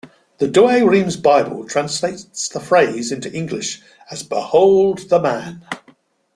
The Douay-Rheims Bible translates the phrase into English as Behold the man!